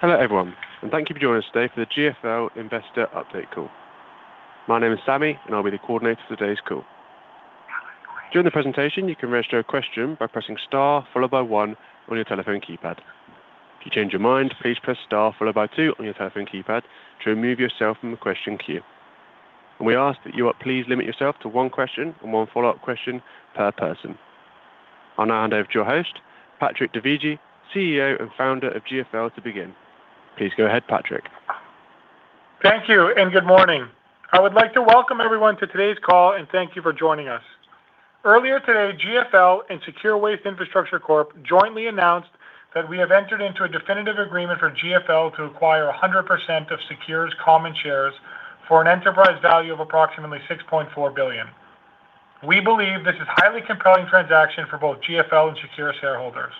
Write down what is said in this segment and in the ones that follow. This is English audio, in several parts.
Hello, everyone. Thank you for joining us today for the GFL Investor Update Call. My name is Sammy. I'll be the coordinator for today's call. During the presentation, you can register a question by pressing star followed by one on your telephone keypad. If you change your mind, please press star followed by two on your telephone keypad to remove yourself from the question queue. We ask that you please limit yourself to one question and one follow-up question per person. I'll now hand over to our host, Patrick Dovigi, CEO and Founder of GFL, to begin. Please go ahead, Patrick. Thank you, and good morning. I would like to welcome everyone to today's call and thank you for joining us. Earlier today, GFL and SECURE Waste Infrastructure Corp. jointly announced that we have entered into a definitive agreement for GFL to acquire 100% of SECURE's common shares for an enterprise value of approximately 6.4 billion. We believe this is a highly compelling transaction for both GFL and SECURE shareholders.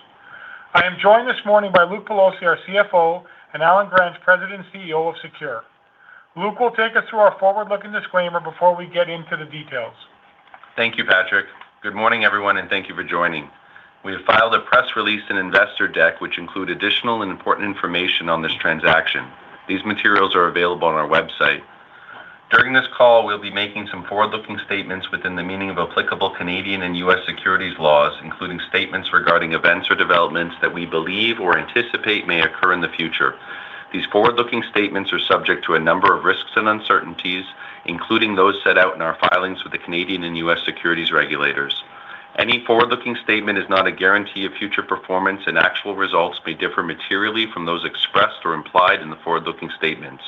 I am joined this morning by Luke Pelosi, our CFO, and Allen Gransch, President and CEO of SECURE. Luke will take us through our forward-looking disclaimer before we get into the details. Thank you, Patrick. Good morning, everyone, and thank you for joining. We have filed a press release and investor deck, which include additional and important information on this transaction. These materials are available on our website. During this call, we'll be making some forward-looking statements within the meaning of applicable Canadian and U.S. securities laws, including statements regarding events or developments that we believe or anticipate may occur in the future. These forward-looking statements are subject to a number of risks and uncertainties, including those set out in our filings with the Canadian and U.S. securities regulators. Any forward-looking statement is not a guarantee of future performance, and actual results may differ materially from those expressed or implied in the forward-looking statements.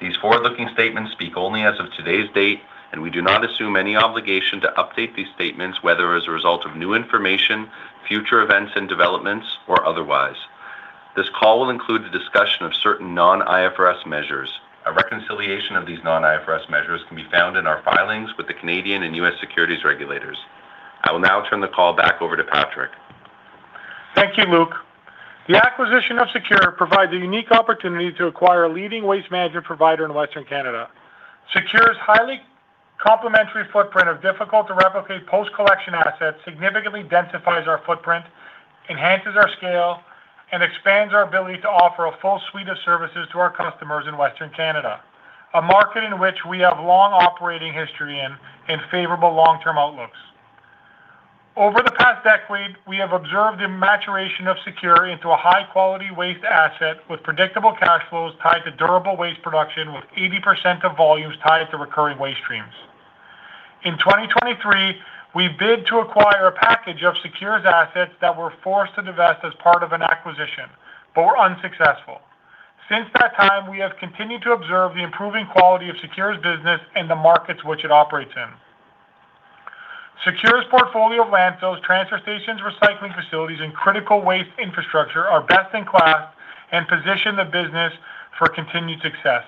These forward-looking statements speak only as of today's date, and we do not assume any obligation to update these statements, whether as a result of new information, future events and developments, or otherwise. This call will include a discussion of certain non-IFRS measures. A reconciliation of these non-IFRS measures can be found in our filings with the Canadian and U.S. securities regulators. I will now turn the call back over to Patrick. Thank you, Luke. The acquisition of SECURE provides a unique opportunity to acquire a leading waste management provider in Western Canada. SECURE's highly complementary footprint of difficult-to-replicate post-collection assets significantly densifies our footprint, enhances our scale, and expands our ability to offer a full suite of services to our customers in Western Canada, a market in which we have long operating history in and favorable long-term outlooks. Over the past decade, we have observed the maturation of SECURE into a high-quality waste asset with predictable cash flows tied to durable waste production with 80% of volumes tied to recurring waste streams. In 2023, we bid to acquire a package of SECURE's assets that were forced to divest as part of an acquisition, but were unsuccessful. Since that time, we have continued to observe the improving quality of SECURE's business in the markets which it operates in. SECURE's portfolio of landfills, transfer stations, recycling facilities, and critical waste infrastructure are best-in-class and position the business for continued success.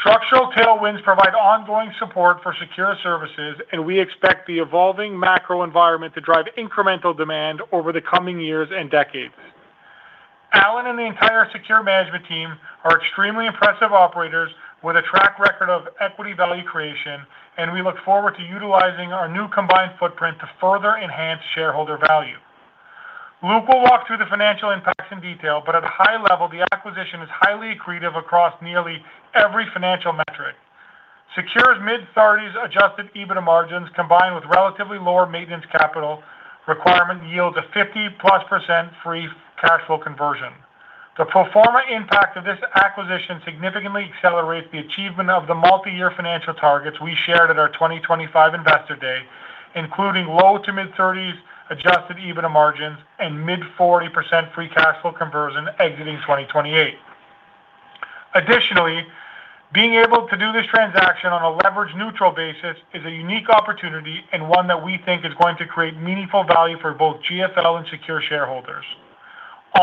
Structural tailwinds provide ongoing support for SECURE services, and we expect the evolving macro environment to drive incremental demand over the coming years and decades. Allen and the entire SECURE management team are extremely impressive operators with a track record of equity value creation, and we look forward to utilizing our new combined footprint to further enhance shareholder value. Luke will walk through the financial impacts in detail, but at a high level, the acquisition is highly accretive across nearly every financial metric. SECURE's mid-30s adjusted EBITDA margins, combined with relatively lower maintenance capital requirement, yield a 50%+ Free Cash Flow conversion. The pro forma impact of this acquisition significantly accelerates the achievement of the multi-year financial targets we shared at our 2025 Investor Day, including low to mid-30s Adjusted EBITDA margins and mid-40% Free Cash Flow conversion exiting 2028. Additionally, being able to do this transaction on a leverage-neutral basis is a unique opportunity and one that we think is going to create meaningful value for both GFL and SECURE shareholders.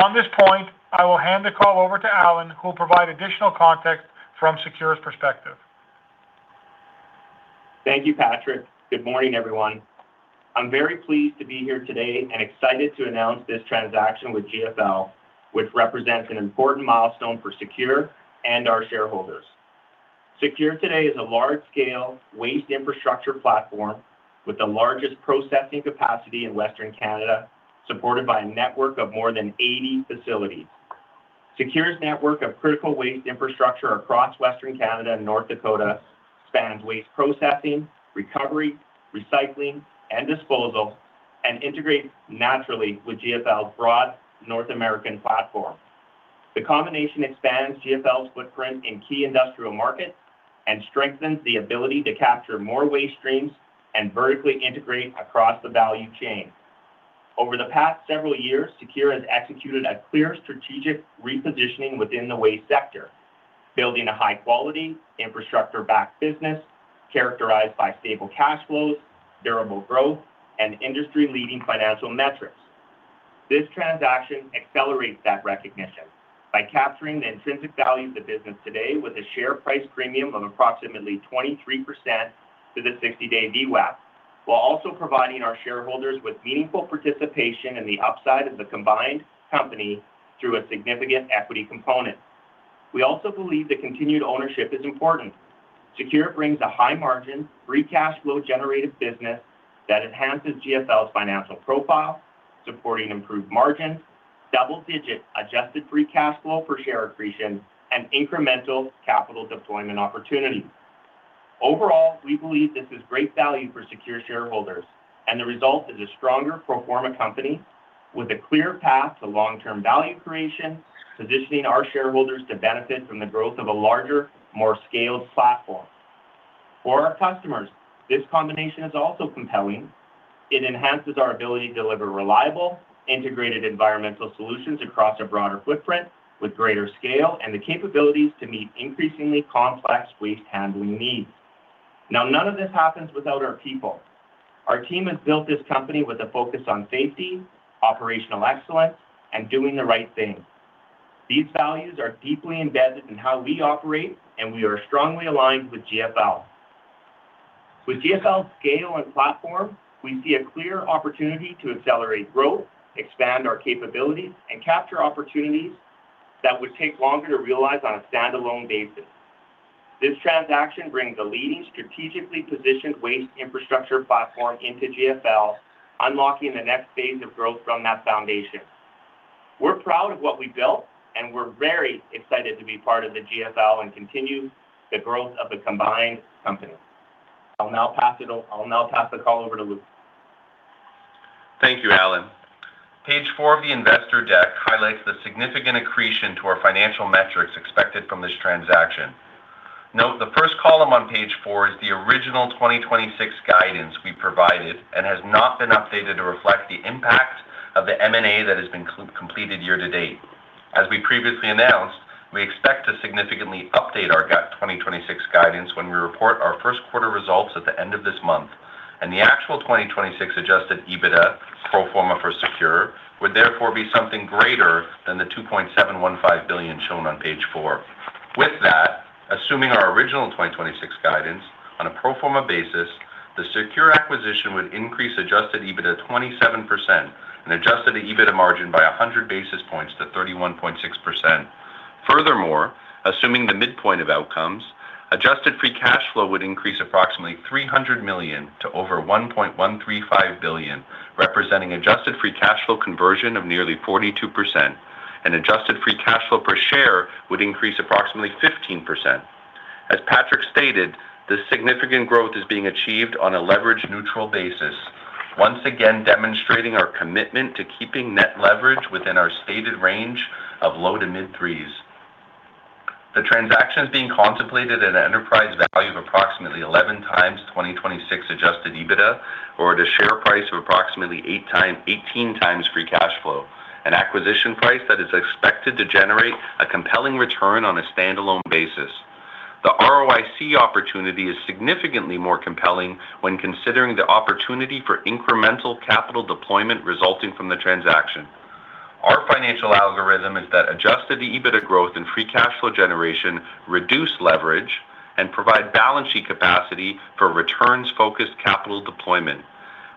On this point, I will hand the call over to Allen, who will provide additional context from SECURE's perspective. Thank you, Patrick. Good morning, everyone. I'm very pleased to be here today and excited to announce this transaction with GFL, which represents an important milestone for SECURE and our shareholders. SECURE today is a large-scale waste infrastructure platform with the largest processing capacity in Western Canada, supported by a network of more than 80 facilities. SECURE's network of critical waste infrastructure across Western Canada and North Dakota spans waste processing, recovery, recycling, and disposal, and integrates naturally with GFL's broad North American platform. The combination expands GFL's footprint in key industrial markets and strengthens the ability to capture more waste streams and vertically integrate across the value chain. Over the past several years, SECURE has executed a clear strategic repositioning within the waste sector, building a high-quality, infrastructure-backed business characterized by stable cash flows, durable growth, and industry-leading financial metrics. This transaction accelerates that recognition by capturing the intrinsic value of the business today with a share price premium of approximately 23% to the 60-day VWAP, while also providing our shareholders with meaningful participation in the upside of the combined company through a significant equity component. We also believe that continued ownership is important. SECURE brings a high-margin, Free Cash Flow-generative business that enhances GFL's financial profile, supporting improved margins, double-digit adjusted Free Cash Flow per share accretion, and incremental capital deployment opportunities. Overall, we believe this is great value for SECURE shareholders, and the result is a stronger pro forma company with a clear path to long-term value creation, positioning our shareholders to benefit from the growth of a larger, more scaled platform. For our customers, this combination is also compelling. It enhances our ability to deliver reliable, integrated environmental solutions across a broader footprint with greater scale and the capabilities to meet increasingly complex waste handling needs. Now, none of this happens without our people. Our team has built this company with a focus on safety, operational excellence, and doing the right thing. These values are deeply embedded in how we operate, and we are strongly aligned with GFL. With GFL's scale and platform, we see a clear opportunity to accelerate growth, expand our capabilities, and capture opportunities that would take longer to realize on a standalone basis. This transaction brings a leading strategically positioned waste infrastructure platform into GFL, unlocking the next phase of growth from that foundation. We're proud of what we built, and we're very excited to be part of the GFL and continue the growth of the combined company. I'll now pass the call over to Luke. Thank you, Allen. Page four of the investor deck highlights the significant accretion to our financial metrics expected from this transaction. Note the first column on page four is the original 2026 guidance we provided and has not been updated to reflect the impact of the M&A that has been completed year to date. As we previously announced, we expect to significantly update our 2026 guidance when we report our first quarter results at the end of this month, and the actual 2026 Adjusted EBITDA pro forma for SECURE would therefore be something greater than the 2.715 billion shown on page four. With that, assuming our original 2026 guidance on a pro forma basis, the SECURE acquisition would increase Adjusted EBITDA 27% and Adjusted EBITDA margin by 100 basis points to 31.6%. Furthermore, assuming the midpoint of outcomes, Adjusted Free Cash Flow would increase approximately 300 million to over 1.135 billion, representing Adjusted Free Cash Flow conversion of nearly 42%, and Adjusted Free Cash Flow per share would increase approximately 15%. As Patrick stated, this significant growth is being achieved on a leverage-neutral basis, once again demonstrating our commitment to keeping Net Leverage within our stated range of low to mid-3s. The transaction is being contemplated at an enterprise value of approximately 11x 2026 Adjusted EBITDA or at a share price of approximately 18x Free Cash Flow, an acquisition price that is expected to generate a compelling return on a standalone basis. The ROIC opportunity is significantly more compelling when considering the opportunity for incremental capital deployment resulting from the transaction. Our financial algorithm is that Adjusted EBITDA growth and Free Cash Flow generation reduce leverage and provide balance sheet capacity for returns-focused capital deployment.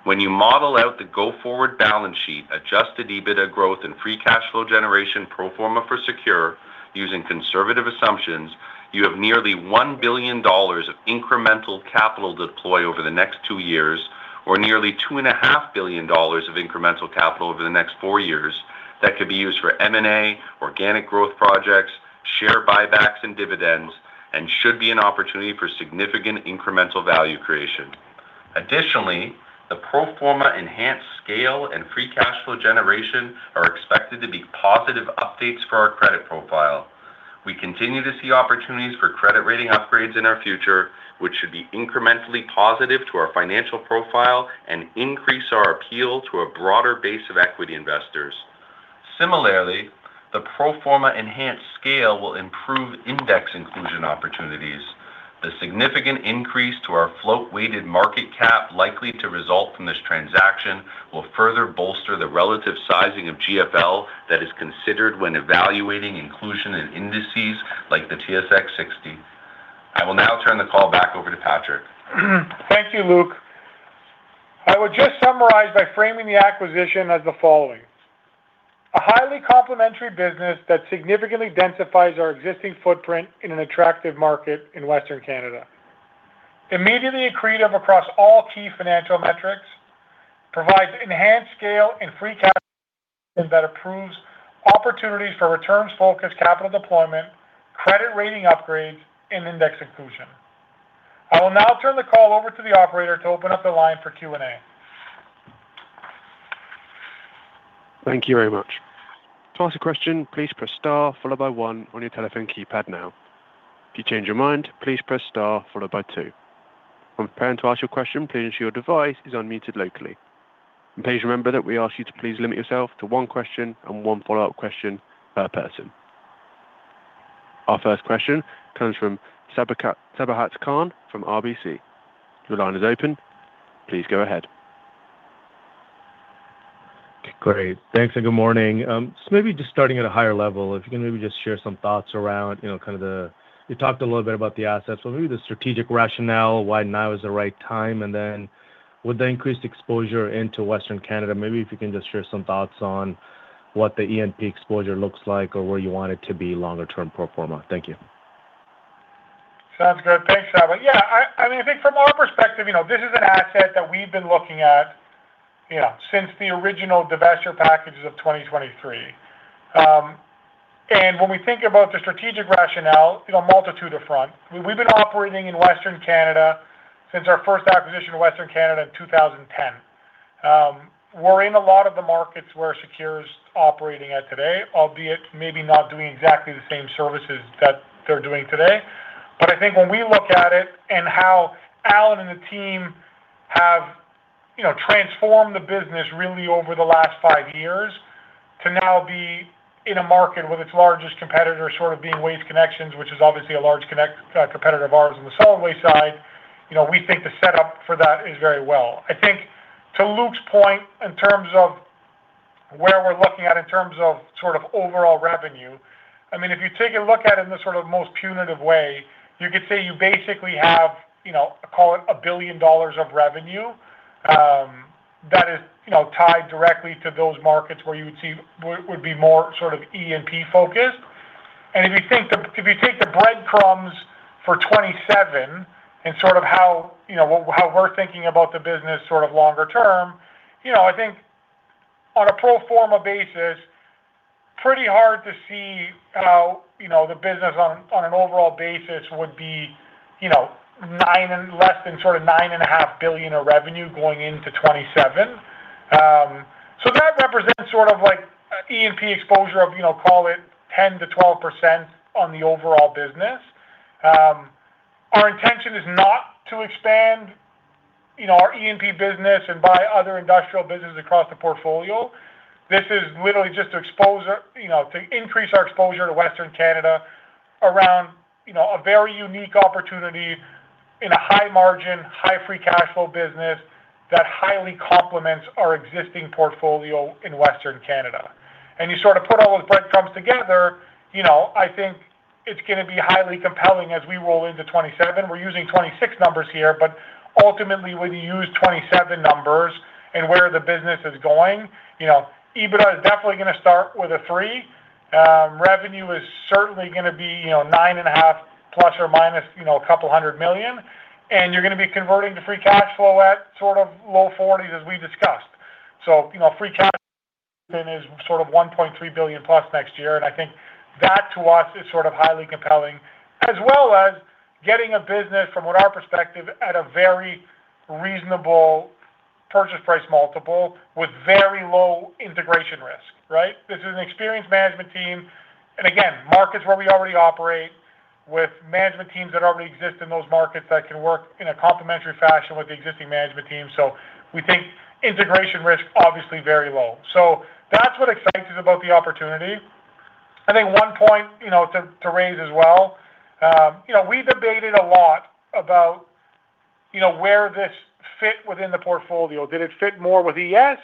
When you model out the go-forward balance sheet, Adjusted EBITDA growth, and Free Cash Flow generation pro forma for SECURE using conservative assumptions, you have nearly $1 billion of incremental capital to deploy over the next two years or nearly $2.5 billion of incremental capital over the next four years that could be used for M&A, organic growth projects, share buybacks, and dividends and should be an opportunity for significant incremental value creation. Additionally, the pro forma enhanced scale and Free Cash Flow generation are expected to be positive updates for our credit profile. We continue to see opportunities for credit rating upgrades in our future, which should be incrementally positive to our financial profile and increase our appeal to a broader base of equity investors. Similarly, the pro forma enhanced scale will improve index inclusion opportunities. The significant increase to our float-weighted market cap likely to result from this transaction will further bolster the relative sizing of GFL that is considered when evaluating inclusion in indices like the TSX 60. I will now turn the call back over to Patrick. Thank you, Luke. I would just summarize by framing the acquisition as the following, a highly complementary business that significantly densifies our existing footprint in an attractive market in Western Canada, immediately accretive across all key financial metrics, provides enhanced scale and free cash that improves opportunities for returns-focused capital deployment, credit rating upgrades, and index inclusion. I will now turn the call over to the operator to open up the line for Q&A. Thank you very much. To ask a question, please press star followed by one on your telephone keypad now. If you change your mind, please press star followed by two. When preparing to ask your question, please ensure your device is unmuted locally. Please remember that we ask you to please limit yourself to one question and one follow-up question per person. Our first question comes from Sabahat Khan from RBC. Your line is open. Please go ahead. Great. Thanks, and good morning. Maybe just starting at a higher level, if you can maybe just share some thoughts around, you talked a little bit about the assets, but maybe the strategic rationale, why now is the right time, and then with the increased exposure into Western Canada, maybe if you can just share some thoughts on what the E&P exposure looks like or where you want it to be longer term pro forma? Thank you. Sounds good. Thanks, Saba. Yeah, I think from our perspective, this is an asset that we've been looking at since the original divestiture packages of 2023. And when we think about the strategic rationale, a multitude of front. We've been operating in Western Canada since our first acquisition in Western Canada in 2010. We're in a lot of the markets where SECURE's operating at today, albeit maybe not doing exactly the same services that they're doing today. But I think when we look at it and how Alan and the team have transformed the business really over the last five years to now be in a market with its largest competitor sort of being Waste Connections, which is obviously a large competitor of ours on the solid waste side. We think the setup for that is very well. I think to Luke's point in terms of where we're looking at in terms of sort of overall revenue, if you take a look at it in the sort of most punitive way, you could say you basically have call it 1 billion dollars of revenue that is tied directly to those markets where you would see would be more sort of E&P focused. If you take the breadcrumbs for 2027 and sort of how we're thinking about the business sort of longer term, I think on a pro forma basis, pretty hard to see how the business on an overall basis would be less than sort of CAD nine and 0.5 billion of revenue going into 2027. That represents sort of like E&P exposure of call it 10%-12% on the overall business. Our intention is not to expand our E&P business and buy other industrial businesses across the portfolio. This is literally just to increase our exposure to Western Canada around a very unique opportunity in a high margin, high Free Cash Flow business that highly complements our existing portfolio in Western Canada. You sort of put all those breadcrumbs together, I think it's going to be highly compelling as we roll into 2027. We're using 2026 numbers here, but ultimately, when you use 2027 numbers and where the business is going, EBITDA is definitely going to start with a three. Revenue is certainly going to be CAD 9.5± a couple of hundred million, and you're going to be converting to Free Cash Flow at sort of low 40s as we discussed. Free cash then is sort of 1.3 billion plus next year, and I think that to us is sort of highly compelling. As well as getting a business from our perspective at a very reasonable purchase price multiple with very low integration risk, right? This is an experienced management team and again, markets where we already operate with management teams that already exist in those markets that can work in a complementary fashion with the existing management team. We think integration risk obviously very low. That's what excites us about the opportunity. I think one point to raise as well. We debated a lot about where this fit within the portfolio. Did it fit more with ES?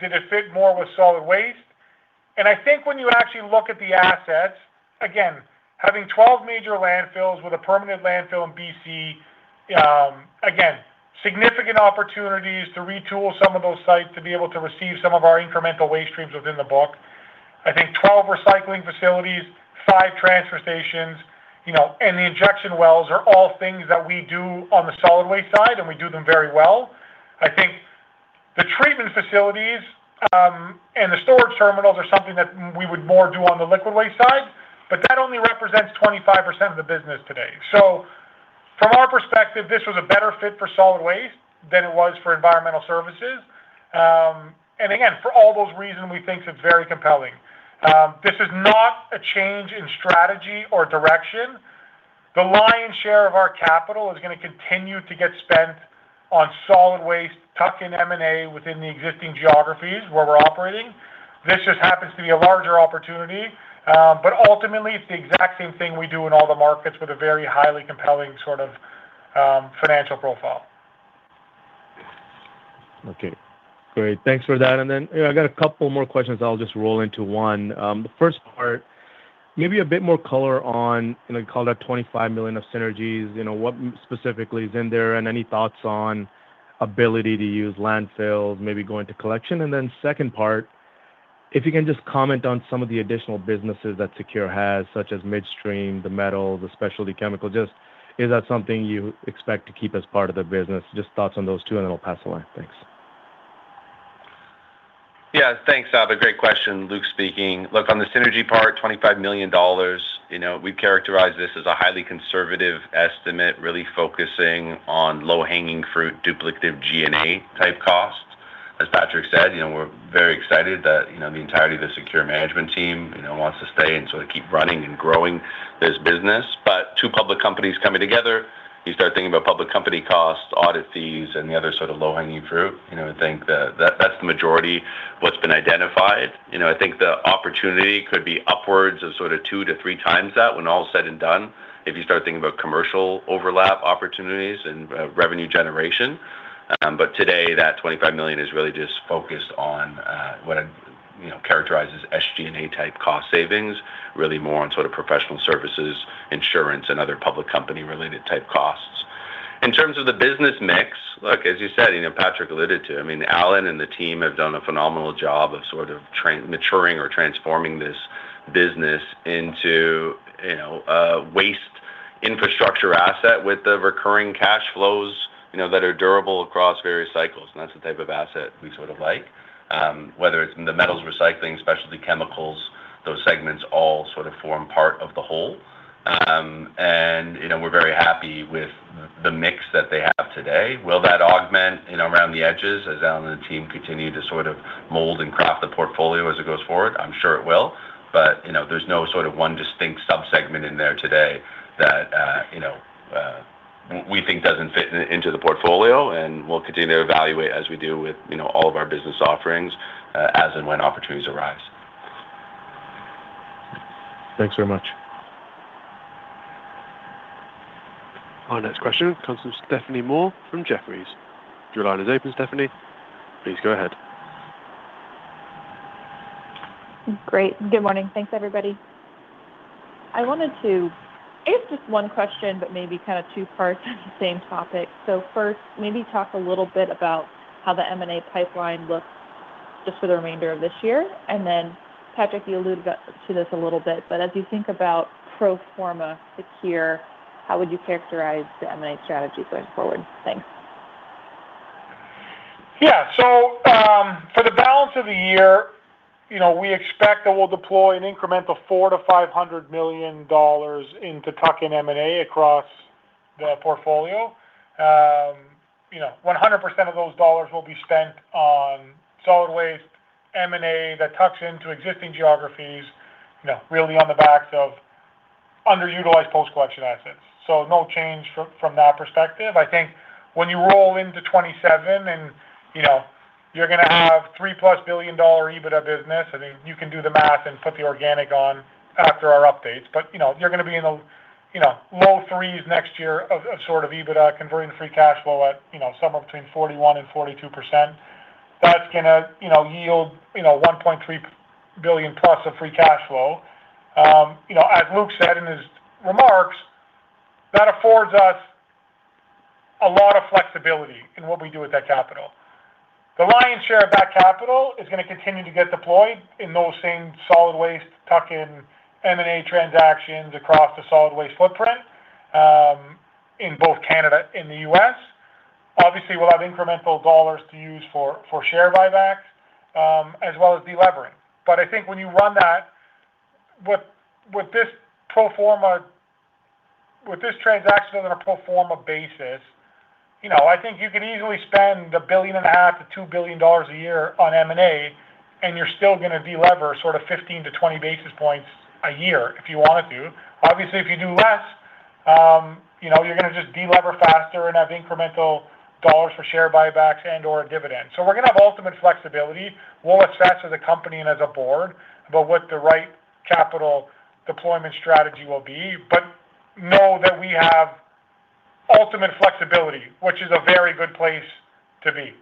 Did it fit more with Solid Waste? I think when you actually look at the assets, again, having 12 major landfills with a permanent landfill in B.C., again, significant opportunities to retool some of those sites to be able to receive some of our incremental waste streams within the book. I think 12 recycling facilities, five transfer stations, and the injection wells are all things that we do on the Solid Waste side, and we do them very well. I think the treatment facilities and the storage terminals are something that we would more do on the Liquid Waste side, but that only represents 25% of the business today. From our perspective, this was a better fit for Solid Waste than it was for Environmental Services. Again, for all those reasons, we think it's very compelling. This is not a change in strategy or direction. The lion's share of our capital is going to continue to get spent on solid waste, tuck-in M&A within the existing geographies where we're operating. This just happens to be a larger opportunity. Ultimately, it's the exact same thing we do in all the markets with a very highly compelling sort of financial profile. Okay. Great. Thanks for that. I got a couple more questions. I'll just roll into one. The first part, maybe a bit more color on, call it 25 million of synergies. What specifically is in there and any thoughts on ability to use landfills, maybe go into collection? Second part, if you can just comment on some of the additional businesses that SECURE has, such as midstream, the metals, the specialty chemical. Is that something you expect to keep as part of the business? Just thoughts on those two, and then I'll pass along. Thanks. Yeah, thanks, Sabahat Khan. Great question. Luke Pelosi speaking. Look, on the synergy part, 25 million dollars. We've characterized this as a highly conservative estimate, really focusing on low-hanging fruit, duplicative G&A type costs. As Patrick Dovigi said, we're very excited that the entirety of the SECURE management team wants to stay and sort of keep running and growing this business. Two public companies coming together, you start thinking about public company costs, audit fees, and the other sort of low-hanging fruit. I think that's the majority of what's been identified. I think the opportunity could be upwards of sort of two to three times that when all is said and done if you start thinking about commercial overlap opportunities and revenue generation. Today, that 25 million is really just focused on what I'd characterize as SG&A type cost savings, really more on sort of professional services, insurance, and other public company-related type costs. In terms of the business mix, look, as you said, Patrick alluded to, Allen and the team have done a phenomenal job of sort of maturing or transforming this business into a waste infrastructure asset with the recurring cash flows that are durable across various cycles, and that's the type of asset we sort of like. Whether it's in the metals recycling, specialty chemicals, those segments all sort of form part of the whole. We're very happy with the mix that they have today. Will that augment around the edges as Allen and the team continue to sort of mold and craft the portfolio as it goes forward? I'm sure it will. There's no sort of one distinct sub-segment in there today that we think doesn't fit into the portfolio, and we'll continue to evaluate as we do with all of our business offerings as and when opportunities arise. Thanks very much. Our next question comes from Stephanie Moore from Jefferies. Your line is open, Stephanie. Please go ahead. Great. Good morning. Thanks, everybody. I wanted to ask just one question, but maybe kind of two parts on the same topic. First, maybe talk a little bit about how the M&A pipeline looks just for the remainder of this year. Patrick, you alluded to this a little bit, but as you think about pro forma SECURE, how would you characterize the M&A strategy going forward? Thanks. Yeah. For the balance of the year, we expect that we'll deploy an incremental $400 million-$500 million in tuck-in M&A across the portfolio. 100% of those dollars will be spent on solid waste M&A that tucks into existing geographies, really on the backs of underutilized post-collection assets. No change from that perspective. I think when you roll into 2027 and you're going to have $3+ billion EBITDA business, you can do the math and put the organic on after our updates. You're going to be in the low threes next year of sort of EBITDA converting Free Cash Flow at somewhere between 41% and 42%. That's going to yield 1.3+ billion of Free Cash Flow. As Luke said in his remarks, that affords us a lot of flexibility in what we do with that capital. The lion's share of that capital is going to continue to get deployed in those same solid waste tuck-in M&A transactions across the solid waste footprint, in both Canada and the U.S. Obviously, we'll have incremental dollars to use for share buybacks, as well as de-levering. I think when you run that with this transaction on a pro forma basis, I think you could easily spend a 1.5 billion-2 billion dollars a year on M&A, and you're still going to de-lever sort of 15 basis points-20 basis points a year if you wanted to. Obviously, if you do less, you're going to just de-lever faster and have incremental dollars for share buybacks and/or dividends. We're going to have ultimate flexibility. We'll assess as a company and as a Board about what the right capital deployment strategy will be. Know that we have ultimate flexibility, which is a very good place to be.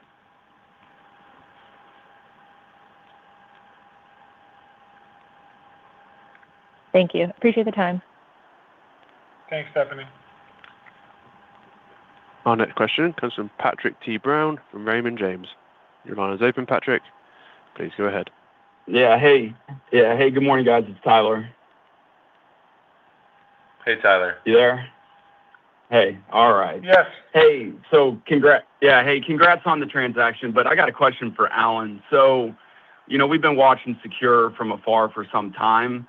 Thank you. Appreciate the time. Thanks, Stephanie. Our next question comes from Patrick Tyler Brown from Raymond James. Your line is open, Patrick. Please go ahead. Yeah, hey. Good morning, guys. It's Tyler. Hey, Tyler. you there? Hey. All right. Yes. Hey. Congrats. Yeah, hey, congrats on the transaction. I got a question for Allen. We've been watching SECURE from afar for some time.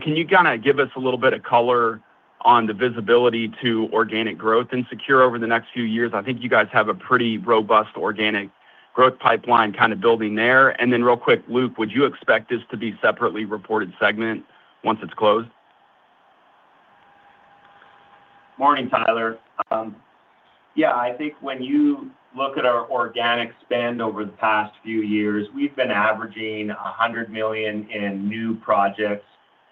Can you kind of give us a little bit of color on the visibility to organic growth in SECURE over the next few years? I think you guys have a pretty robust organic growth pipeline kind of building there. Real quick, Luke, would you expect this to be a separately reported segment once it's closed? Morning, Tyler. Yeah, I think when you look at our organic spend over the past few years, we've been averaging 100 million in new projects.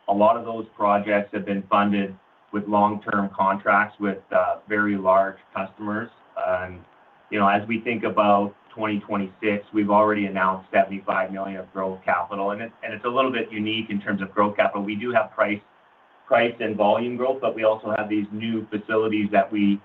A lot of those projects have been funded with long-term contracts with very large customers. As we think about 2026, we've already announced 75 million of growth capital in it, and it's a little bit unique in terms of growth capital. We do have price and volume growth, but we also have these new facilities that we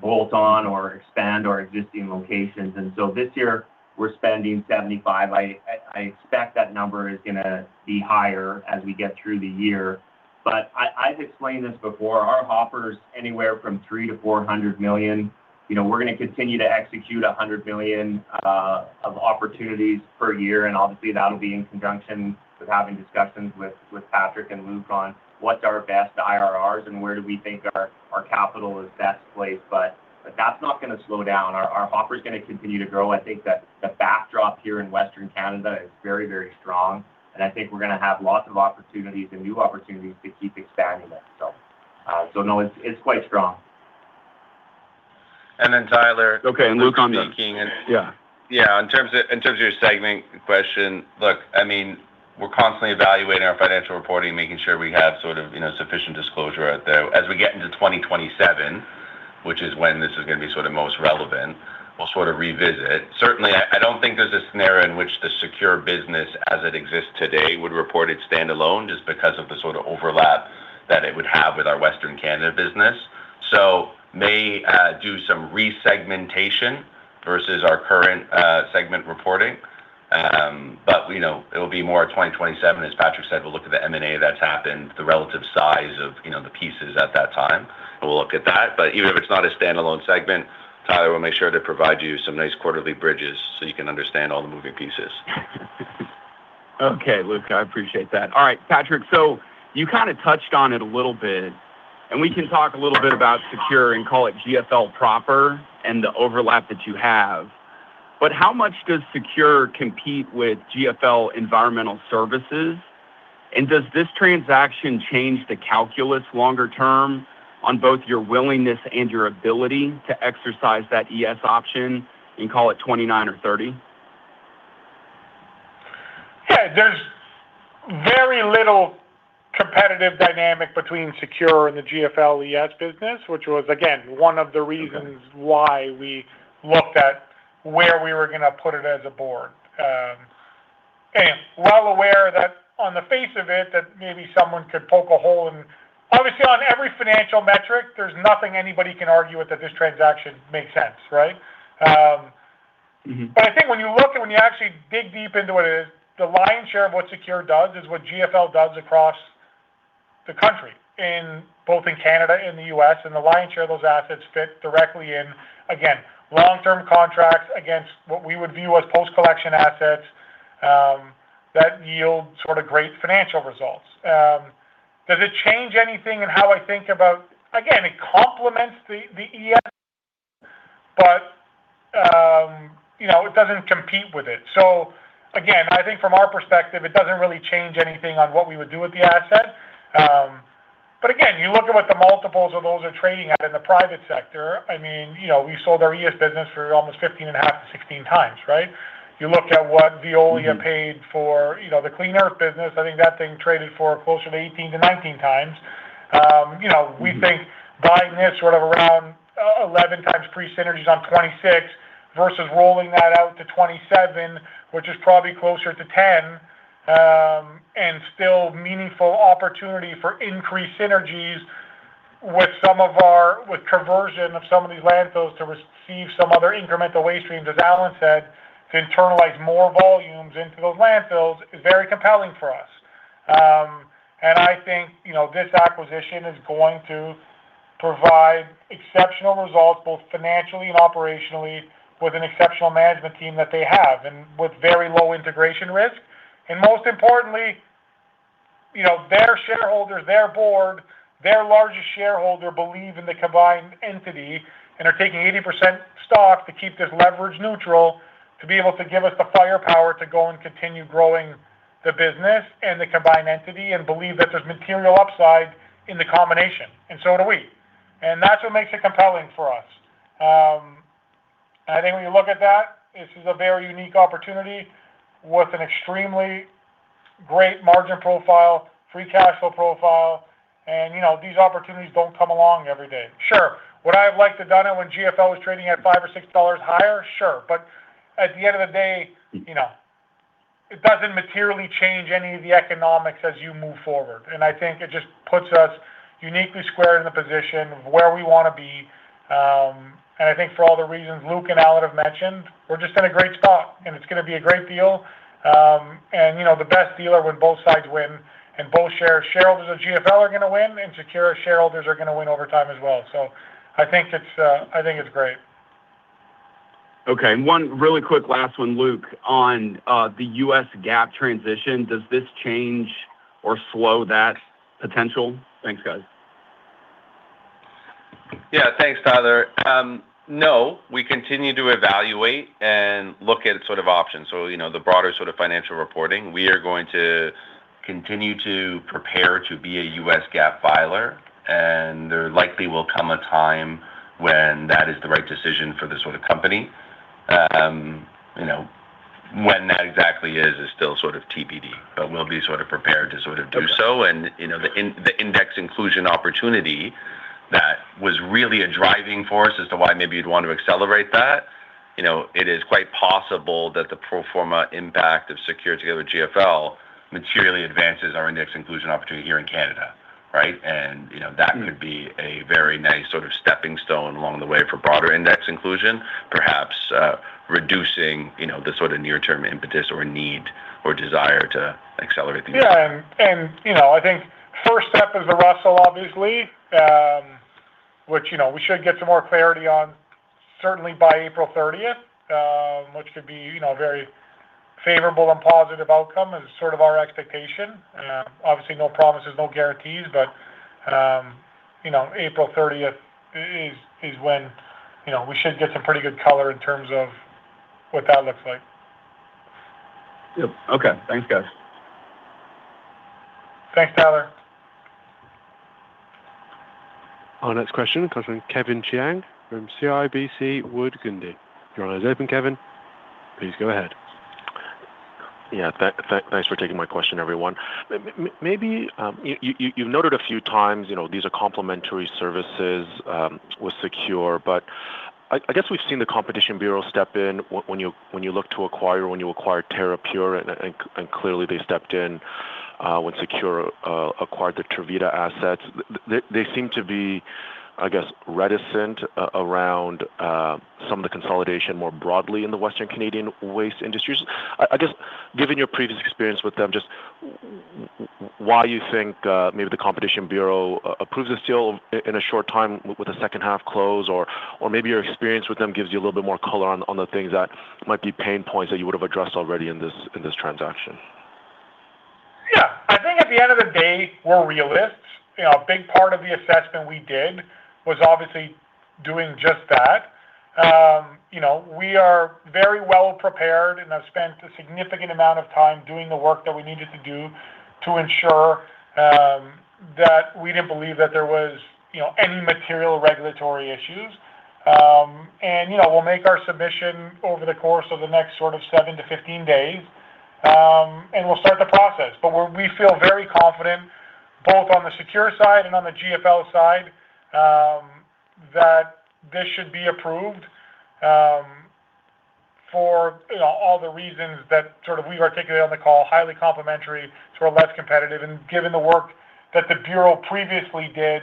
bolt on or expand our existing locations. This year we're spending 75 million. I expect that number is going to be higher as we get through the year. I've explained this before, our hopper's anywhere from 3 million-400 million. We're going to continue to execute 100 million of opportunities per year, and obviously, that'll be in conjunction with having discussions with Patrick and Luke on what's our best IRRs and where do we think our capital is best placed. That's not going to slow down. Our hopper is going to continue to grow. I think that the backdrop here in Western Canada is very strong, and I think we're going to have lots of opportunities and new opportunities to keep expanding that. No, it's quite strong. Tyler. Okay, Luke, I'm next. Yeah. Yeah. In terms of your segment question, look, I mean, we're constantly evaluating our financial reporting, making sure we have sort of sufficient disclosure out there. As we get into 2027, which is when this is going to be sort of most relevant, we'll sort of revisit. Certainly, I don't think there's a scenario in which the SECURE business as it exists today would report it standalone just because of the sort of overlap that it would have with our Western Canada business. We may do some resegmentation versus our current segment reporting. It'll be more 2027, as Patrick said, we'll look at the M&A that's happened, the relative size of the pieces at that time, and we'll look at that. Even if it's not a standalone segment, Tyler, we'll make sure to provide you some nice quarterly bridges so you can understand all the moving pieces. Okay, Luke, I appreciate that. All right, Patrick, so you kind of touched on it a little bit, and we can talk a little bit about SECURE and call it GFL proper and the overlap that you have. But how much does SECURE compete with GFL Environmental Services? And does this transaction change the calculus longer term on both your willingness and your ability to exercise that ES option in, call it, '29 or '30? Yeah. There's very little competitive dynamic between SECURE and the GFL ES business, which was, again, one of the reasons why we looked at where we were going to put it as a Board. We were well aware that on the face of it, maybe someone could poke a hole in it. Obviously, on every financial metric, there's nothing anybody can argue with that this transaction makes sense, right? Mm-hmm. I think when you look and when you actually dig deep into it, the lion's share of what SECURE does is what GFL does across the country, both in Canada and the U.S., and the lion's share of those assets fit directly in, again, long-term contracts against what we would view as post-collection assets that yield sort of great financial results. Does it change anything in how I think about? Again, it complements the ES, but it doesn't compete with it. Again, I think from our perspective, it doesn't really change anything on what we would do with the asset. Again, you look at what the multiples of those are trading at in the private sector. We sold our ES business for almost 15.5x-16x, right? You look at what Veolia paid for the Clean Earth business. I think that thing traded for closer to 18x-19x. We think buying this sort of around 11x pre-synergies on 2026 versus rolling that out to 2027, which is probably closer to 10x, and still meaningful opportunity for increased synergies with conversion of some of these landfills to receive some other incremental waste streams, as Allen said, to internalize more volumes into those landfills is very compelling for us. I think this acquisition is going to provide exceptional results, both financially and operationally, with an exceptional management team that they have and with very low integration risk. Most importantly, their shareholders, their board, their largest shareholder believe in the combined entity and are taking 80% stock to keep this leverage neutral to be able to give us the firepower to go and continue growing the business and the combined entity and believe that there's material upside in the combination, and so do we. That's what makes it compelling for us. I think when you look at that, this is a very unique opportunity with an extremely great margin profile, Free Cash Flow profile, and these opportunities don't come along every day. Sure. Would I have liked to done it when GFL was trading at 5-6 dollars higher? Sure. At the end of the day, it doesn't materially change any of the economics as you move forward. I think it just puts us uniquely square in the position of where we want to be. I think for all the reasons Luke and Allen have mentioned, we're just in a great spot, and it's going to be a great deal. The best deal are when both sides win, and shareholders of GFL are going to win, and SECURE shareholders are going to win over time as well. I think it's great. Okay. One really quick last one, Luke, on the U.S. GAAP transition, does this change or slow that potential? Thanks, guys. Yeah. Thanks, Tyler. No, we continue to evaluate and look at sort of options. The broader sort of financial reporting, we are going to continue to prepare to be a U.S. GAAP filer, and there likely will come a time when that is the right decision for the sort of company. When that exactly is still sort of TBD, but we'll be sort of prepared to sort of do so. The index inclusion opportunity that was really a driving force as to why maybe you'd want to accelerate that, it is quite possible that the pro forma impact of SECURE together with GFL materially advances our index inclusion opportunity here in Canada, right? That could be a very nice sort of stepping stone along the way for broader index inclusion, perhaps reducing the sort of near-term impetus or need or desire to accelerate things. Yeah. I think first step is the Russell, obviously, which we should get some more clarity on certainly by April 30th, which could be very favorable and positive outcome is sort of our expectation. Obviously, no promises, no guarantees, but April 30th is when we should get some pretty good color in terms of what that looks like. Okay. Thanks, guys. Thanks, Tyler. Our next question comes from Kevin Chiang from CIBC Capital Markets. Your line is open, Kevin. Please go ahead. Thanks for taking my question, everyone. Maybe you've noted a few times, these are complementary services with SECURE. I guess we've seen the Competition Bureau step in when you acquired Terrapure. Clearly they stepped in when SECURE acquired the Tervita assets. They seem to be, I guess, reticent around some of the consolidation more broadly in the Western Canadian waste industries. I guess, given your previous experience with them, just why you think maybe the Competition Bureau approves this deal in a short time with a second half close? Maybe your experience with them gives you a little bit more color on the things that might be pain points that you would have addressed already in this transaction. Yeah. I think at the end of the day, we're realists. A big part of the assessment we did was obviously doing just that. We are very well-prepared and have spent a significant amount of time doing the work that we needed to do to ensure that we didn't believe that there was any material regulatory issues. We'll make our submission over the course of the next sort of 7-15 days, and we'll start the process. We feel very confident, both on the SECURE side and on the GFL side, that this should be approved for all the reasons that sort of we've articulated on the call, highly complementary to our less competitive and given the work that the Bureau previously did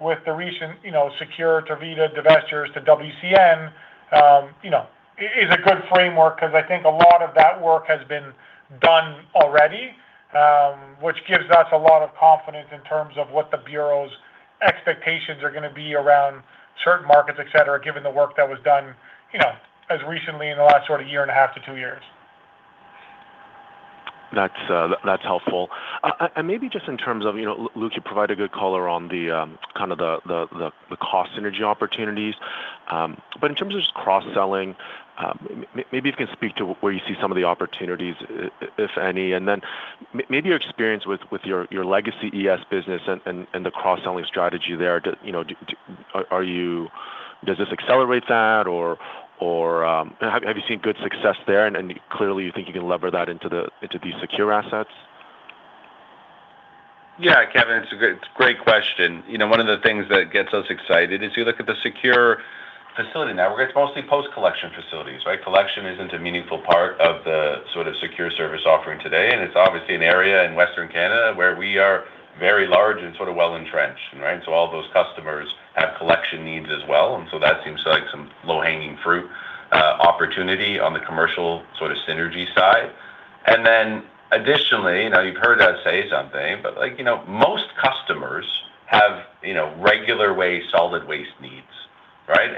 with the recent SECURE, Tervita divestitures to WCN, is a good framework because I think a lot of that work has been done already, which gives us a lot of confidence in terms of what the Bureau's expectations are going to be around certain markets, et cetera, given the work that was done as recently as in the last sort of year and a half to two years. That's helpful. Maybe just in terms of, Luke, you provided good color on the cost synergy opportunities. In terms of just cross-selling, maybe if you can speak to where you see some of the opportunities, if any, and then maybe your experience with your legacy ES business and the cross-selling strategy there. Does this accelerate that or have you seen good success there and clearly you think you can lever that into these SECURE assets? Yeah, Kevin, it's a great question. One of the things that gets us excited is you look at the SECURE facility network. It's mostly post-collection facilities, right? Collection isn't a meaningful part of the sort of SECURE service offering today, and it's obviously an area in Western Canada where we are very large and sort of well-entrenched, right? All those customers have collection needs as well, and so that seems like some low-hanging fruit opportunity on the commercial sort of synergy side. Additionally, you've heard us say something, but most customers have regular waste, solid waste needs, right?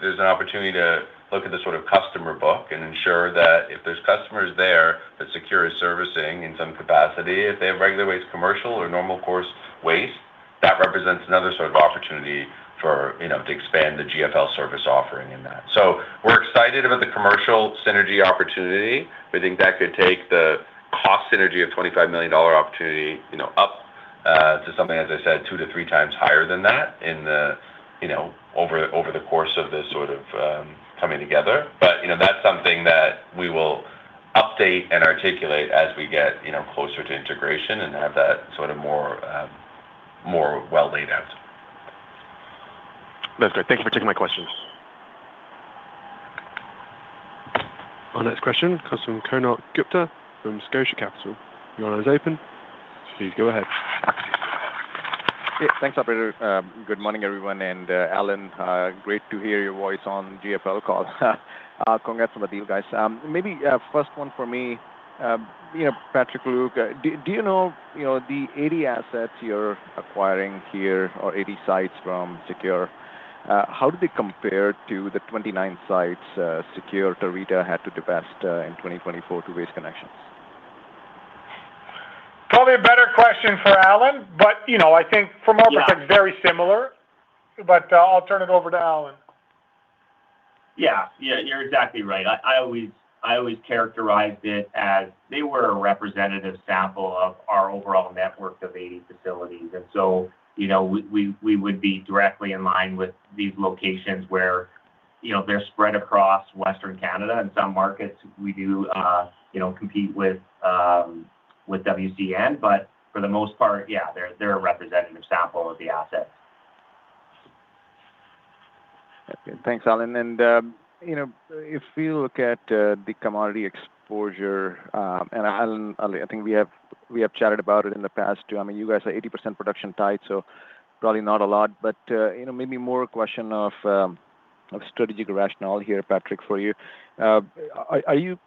There's an opportunity to look at the sort of customer book and ensure that if there's customers there that SECURE is servicing in some capacity, if they have regular waste commercial or normal course waste, that represents another sort of opportunity to expand the GFL service offering in that. We're excited about the commercial synergy opportunity. We think that could take the cost synergy of 25 million dollar opportunity up to something, as I said, 2x-3x higher than that over the course of this sort of coming together. That's something that we will update and articulate as we get closer to integration and have that sort of more well laid out. That's great. Thank you for taking my questions. Our next question comes from Konark Gupta from Scotia Capital. Your line is open. Please go ahead. Yeah. Thanks, operator. Good morning, everyone. Allen, great to hear your voice on GFL calls. Congrats on the deal, guys. Maybe first one for me. Patrick, Luke, do you know the 80 assets you're acquiring here or 80 sites from SECURE? How do they compare to the 29 sites SECURE, Tervita had to divest in 2024 to Waste Connections? Probably a better question for Allen, but I think from our perspective. Yeah Very similar, but I'll turn it over to Allen. Yeah. You're exactly right. I always characterized it as they were a representative sample of our overall network of 80 facilities. We would be directly in line with these locations where they're spread across Western Canada. In some markets, we do compete with WCN, but for the most part, yeah, they're a representative sample of the assets. Thanks, Allen. If you look at the commodity exposure, Allen, I think we have chatted about it in the past too. I mean, you guys are 80% production tied. Probably not a lot, but maybe more a question of strategic rationale here, Patrick, for you. Are you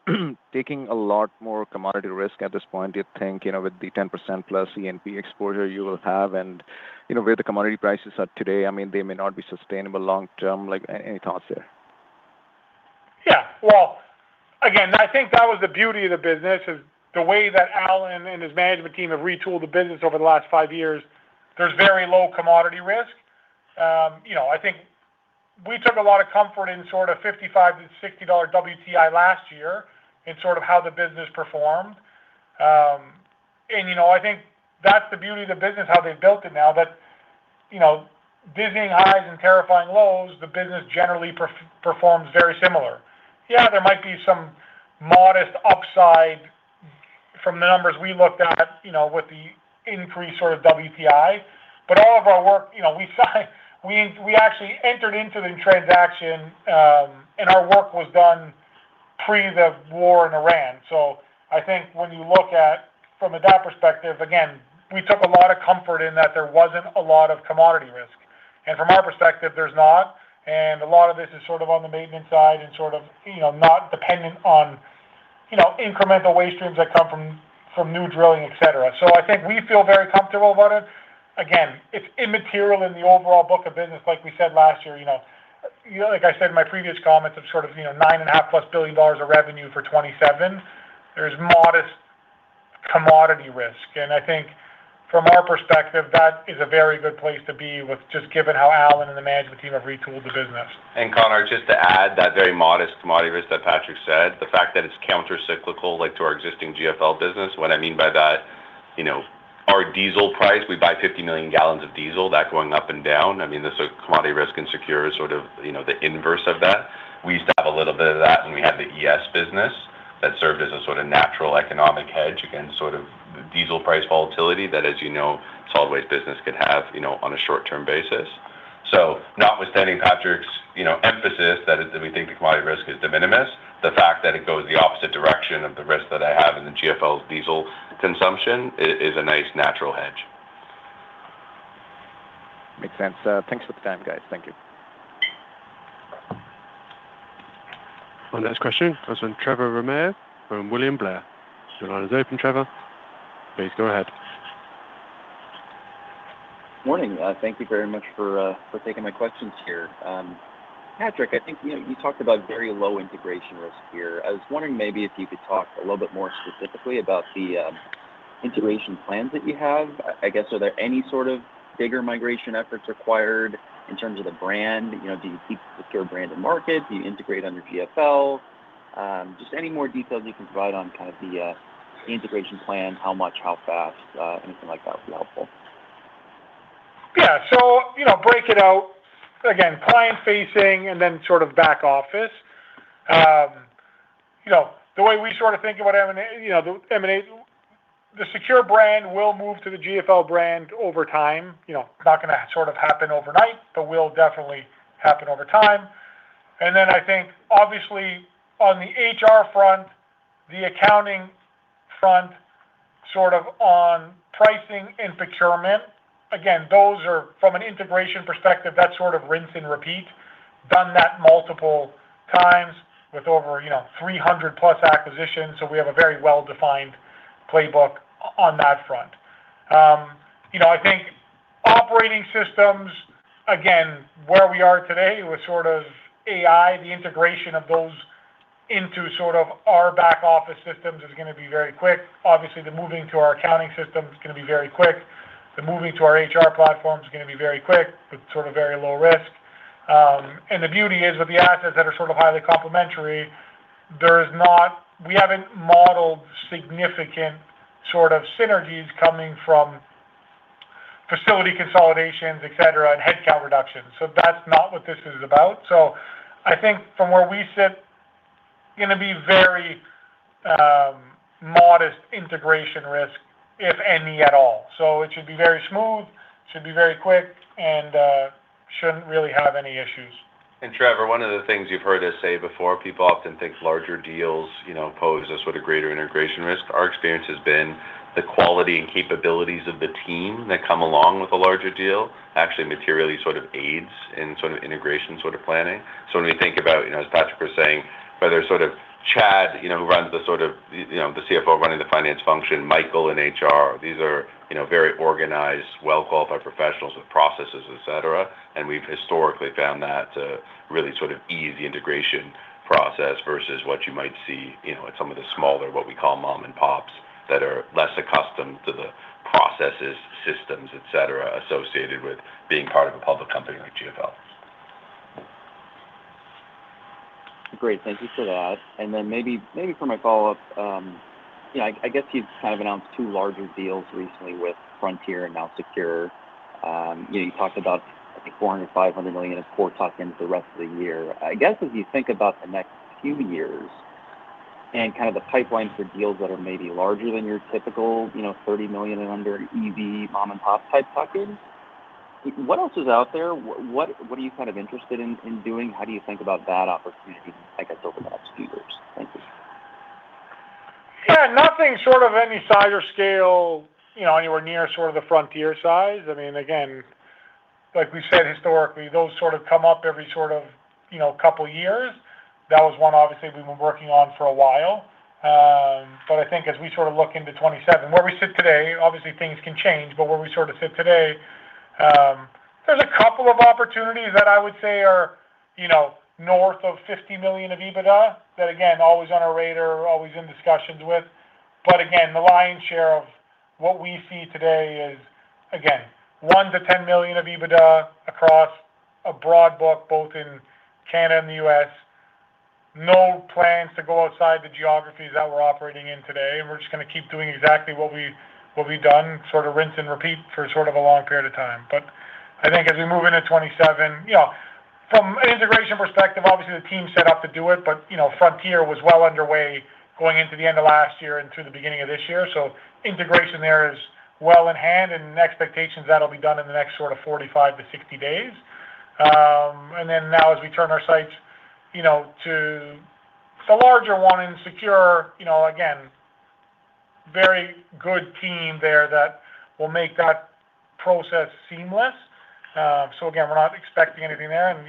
taking a lot more commodity risk at this point, do you think, with the 10%+ E&P exposure you will have and where the commodity prices are today? I mean, they may not be sustainable long-term, like any thoughts there? Yeah. Well, again, I think that was the beauty of the business is the way that Allen and his management team have retooled the business over the last five years. There's very low commodity risk. I think we took a lot of comfort in sort of $55-$60 WTI last year in sort of how the business performed. I think that's the beauty of the business, how they've built it now, that dizzying highs and terrifying lows, the business generally performs very similar. Yeah, there might be some modest upside from the numbers we looked at, with the increase of WTI, but all of our work, we actually entered into the transaction, and our work was done pre the war in Iran. I think when you look at, from that perspective, again, we took a lot of comfort in that there wasn't a lot of commodity risk. From our perspective, a lot of this is sort of on the maintenance side and sort of not dependent on incremental waste streams that come from new drilling, et cetera. I think we feel very comfortable about it. Again, it's immaterial in the overall book of business, like we said last year. Like I said in my previous comments of sort of 9.5+ billion dollars of revenue for 2027, there's modest commodity risk. I think from our perspective, that is a very good place to be with just given how Allen and the management team have retooled the business. Konark, just to add that very modest commodity risk that Patrick said, the fact that it's countercyclical to our existing GFL business. What I mean by that, our diesel price, we buy 50 million gallons of diesel, that going up and down. I mean, the sort of commodity risk in SECURE is sort of the inverse of that. We used to have a little bit of that when we had the ES business that served as a sort of natural economic hedge against sort of diesel price volatility that, as you know, solid waste business could have on a short-term basis. Notwithstanding Patrick's emphasis that we think the commodity risk is de minimis, the fact that it goes the opposite direction of the risk that I have in the GFL's diesel consumption is a nice natural hedge. Makes sense. Thanks for the time, guys. Thank you. Our next question comes from Trevor Romero from William Blair. Your line is open, Trevor. Please go ahead. Morning. Thank you very much for taking my questions here. Patrick, I think you talked about very low integration risk here. I was wondering maybe if you could talk a little bit more specifically about the integration plans that you have. I guess, are there any sort of bigger migration efforts required in terms of the brand? Do you keep the SECURE brand to market? Do you integrate under GFL? Just any more details you can provide on kind of the integration plan, how much, how fast, anything like that would be helpful. Yeah. Break it out, again, client-facing and then sort of back office. The way we sort of think about M&A, the SECURE brand will move to the GFL brand over time. Not going to sort of happen overnight, but will definitely happen over time. I think obviously on the HR front, the accounting front, sort of on pricing and procurement. Again, from an integration perspective, that's sort of rinse and repeat. Done that multiple times with over 300+ acquisitions. We have a very well-defined playbook on that front. I think operating systems, again, where we are today with sort of AI, the integration of those into sort of our back-office systems is going to be very quick. Obviously, the moving to our accounting system is going to be very quick. The moving to our HR platform is going to be very quick, with sort of very low risk. The beauty is, with the assets that are sort of highly complementary, we haven't modeled significant sort of synergies coming from facility consolidations, et cetera, and headcount reductions. That's not what this is about. I think from where we sit, going to be very modest integration risk, if any at all. It should be very smooth, it should be very quick, and shouldn't really have any issues. Trevor, one of the things you've heard us say before, people often think larger deals pose a sort of greater integration risk. Our experience has been the quality and capabilities of the team that come along with a larger deal actually materially sort of aids in sort of integration sort of planning. When we think about, as Patrick was saying, whether sort of Chad, who runs the sort of the CFO running the finance function, Michael in HR, these are very organized, well-qualified professionals with processes, et cetera. We've historically found that to really sort of ease the integration process versus what you might see in some of the smaller, what we call mom and pops, that are less accustomed to the processes, systems, et cetera, associated with being part of a public company like GFL. Great. Thank you for that. Maybe for my follow-up, I guess you've kind of announced two larger deals recently with Frontier and now SECURE. You talked about I think 400 million-500 million in core tuck-ins the rest of the year. I guess as you think about the next few years and kind of the pipeline for deals that are maybe larger than your typical 30 million and under EBITDA mom-and-pop type tuck-ins, what else is out there? What are you kind of interested in doing? How do you think about that opportunity, I guess, over the next few years? Thank you. Yeah, nothing sort of any size or scale anywhere near sort of the Frontier size. I mean, again, like we've said historically, those sort of come up every sort of couple years. That was one obviously we've been working on for a while. I think as we sort of look into 2027, where we sit today, obviously things can change, but where we sort of sit today, there's a couple of opportunities that I would say are north of 50 million of EBITDA that again, always on our radar, always in discussions with. Again, the lion's share of what we see today is, again, 1 million-10 million of EBITDA across a broad book, both in Canada and the U.S. No plans to go outside the geographies that we're operating in today. We're just going to keep doing exactly what we've done, sort of rinse and repeat for a long period of time. I think as we move into 2027, from an integration perspective, obviously, the team set up to do it, but Frontier was well underway going into the end of last year and through the beginning of this year. Integration there is well in hand and expectations that'll be done in the next sort of 45-60 days. Now as we turn our sights to the larger one and SECURE, again, very good team there that will make that process seamless. Again, we're not expecting anything there, and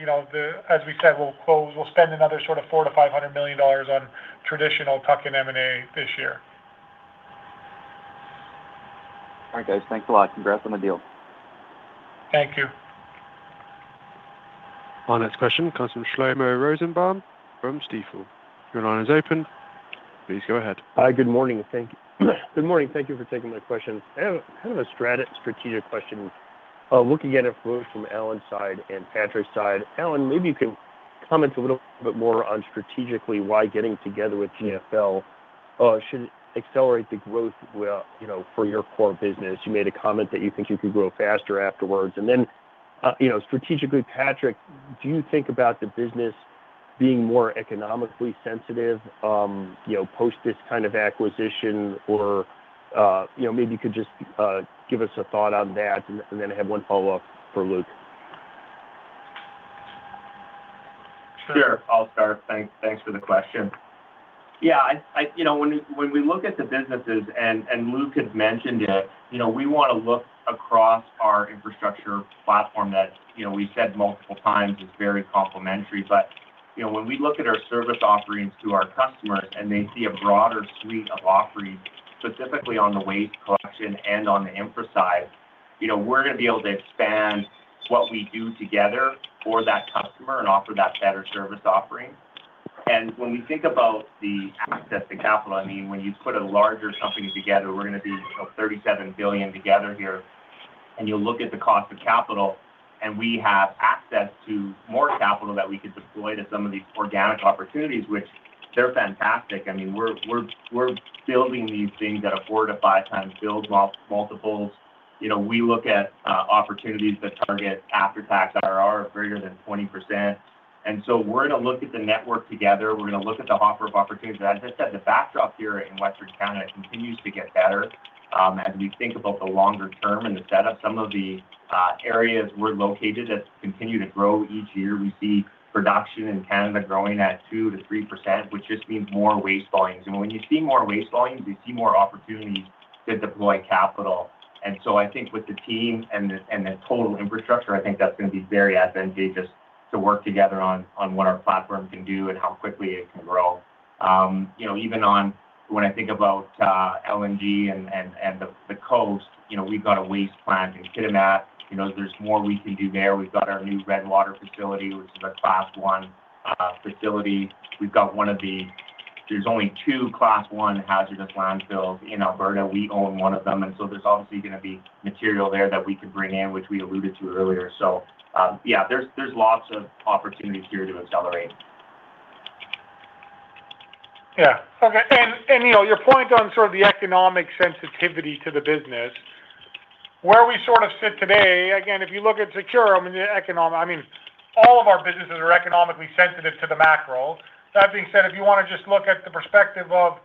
as we said, we'll spend another sort of 400 million-500 million dollars on traditional tuck-in M&A this year. All right, guys. Thanks a lot. Congrats on the deal. Thank you. Our next question comes from Shlomo Rosenbaum from Stifel. Your line is open. Please go ahead. Hi, good morning. Thank you for taking my question. I have a strategic question. Looking at it both from Allen's side and Patrick's side, Allen, maybe you can comment a little bit more on strategically why getting together with GFL should accelerate the growth for your core business. You made a comment that you think you could grow faster afterwards. Strategically, Patrick, do you think about the business being more economically sensitive post this kind of acquisition or maybe you could just give us a thought on that, and then I have one follow-up for Luke. Sure. I'll start. Thanks for the question. Yeah. When we look at the businesses, and Luke has mentioned it, we want to look across our infrastructure platform that we said multiple times is very complementary. When we look at our service offerings to our customers and they see a broader suite of offerings, specifically on the waste collection and on the infra side, we're going to be able to expand what we do together for that customer and offer that better service offering. When we think about the access to capital, when you put a larger company together, we're going to be 37 billion together here, and you look at the cost of capital, and we have access to more capital that we could deploy to some of these organic opportunities, which they're fantastic. We're building these things at 4x-5x build multiples. We look at opportunities that target after-tax IRR of greater than 20%. We're going to look at the network together. We're going to look at the offer of opportunities. As I said, the backdrop here in Western Canada continues to get better as we think about the longer term and the setup. Some of the areas we're located at continue to grow each year. We see production in Canada growing at 2%-3%, which just means more waste volumes. When you see more waste volumes, we see more opportunities to deploy capital. I think with the team and the total infrastructure, I think that's going to be very advantageous to work together on what our platform can do and how quickly it can grow. Even when I think about LNG and the coast, we've got a waste plant in Kitimat. There's more we can do there. We've got our new Redwater facility, which is a Class I facility. There's only two Class one hazardous landfills in Alberta. We own one of them, and so there's obviously going to be material there that we could bring in, which we alluded to earlier. Yeah, there's lots of opportunities here to accelerate. Yeah. Okay. Your point on sort of the economic sensitivity to the business, where we sort of sit today, again, if you look at SECURE, all of our businesses are economically sensitive to the macro. That being said, if you want to just look at the perspective of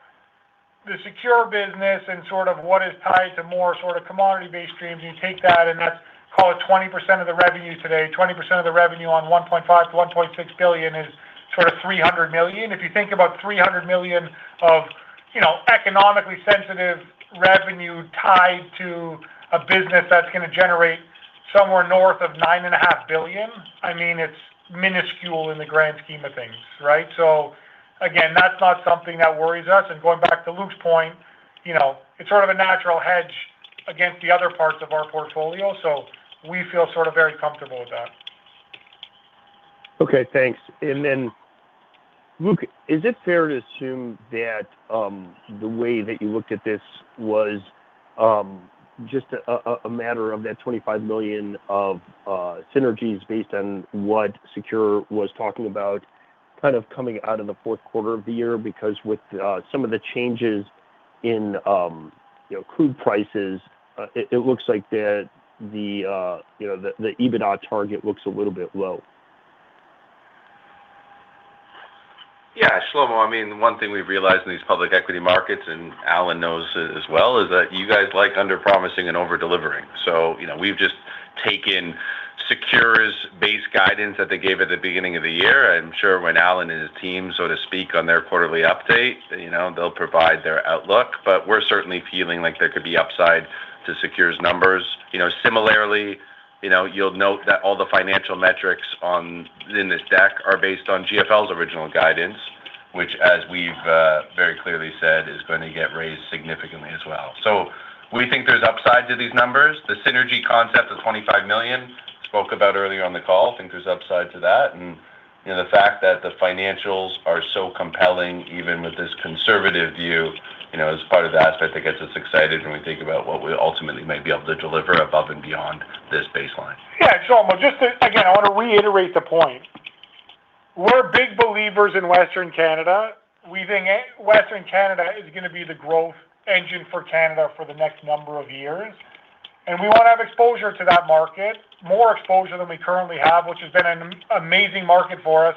the SECURE business and sort of what is tied to more sort of commodity-based streams, you take that and that's call it 20% of the revenue on 1.5 billion-1.6 billion is sort of 300 million. If you think about 300 million of economically sensitive revenue tied to a business that's going to generate somewhere north of 9.5 billion, it's minuscule in the grand scheme of things, right? Again, that's not something that worries us, and going back to Luke's point, it's sort of a natural hedge against the other parts of our portfolio. We feel sort of very comfortable with that. Okay, thanks. Luke, is it fair to assume that the way that you looked at this was just a matter of that 25 million of synergies based on what SECURE was talking about, kind of coming out in the fourth quarter of the year? Because with some of the changes in crude prices, it looks like the EBITDA target looks a little bit low. Yeah. Shlomo, one thing we've realized in these public equity markets, and Allen knows it as well, is that you guys like under-promising and over-delivering. We've just taken SECURE's base guidance that they gave at the beginning of the year. I'm sure when Allen and his team, so to speak, on their quarterly update, they'll provide their outlook. We're certainly feeling like there could be upside to SECURE's numbers. Similarly, you'll note that all the financial metrics in this deck are based on GFL's original guidance, which as we've very clearly said, is going to get raised significantly as well. We think there's upside to these numbers. The synergy concept of 25 million, we spoke about earlier on the call, we think there's upside to that. The fact that the financials are so compelling even with this conservative view is part of the aspect that gets us excited when we think about what we ultimately may be able to deliver above and beyond this baseline. Yeah, sure. Again, I want to reiterate the point. We're big believers in Western Canada. We think Western Canada is going to be the growth engine for Canada for the next number of years, and we want to have exposure to that market, more exposure than we currently have, which has been an amazing market for us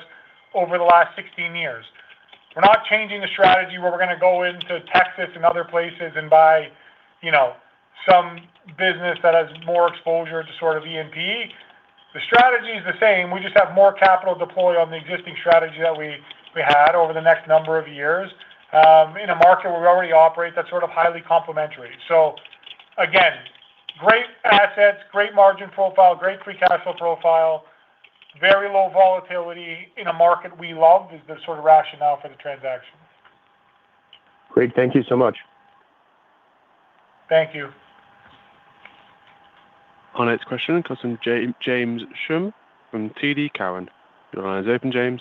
over the last 16 years. We're not changing the strategy where we're going to go into Texas and other places and buy some business that has more exposure to sort of E&P. The strategy is the same. We just have more capital deployed on the existing strategy that we had over the next number of years, in a market where we already operate that's sort of highly complementary. Again, great assets, great margin profile, great Free Cash Flow profile, very low volatility in a market we love is the sort of rationale for the transaction. Great. Thank you so much. Thank you. Our next question comes from James Schumm from TD Cowen. Your line is open, James.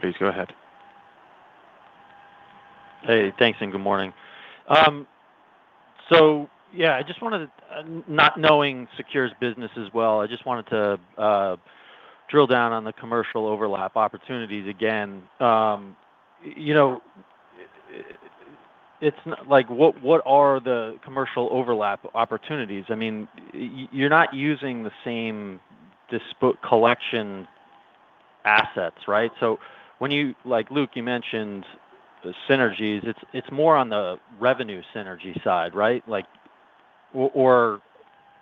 Please go ahead. Hey, thanks and good morning. Yeah, not knowing SECURE's business as well, I just wanted to drill down on the commercial overlap opportunities again. What are the commercial overlap opportunities? You're not using the same disposal collection assets, right? Luke, you mentioned the synergies. It's more on the revenue synergy side, right?